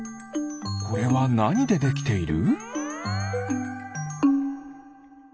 これはなにでできている？